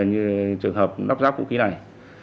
như trường hợp nắp rác vũ khí này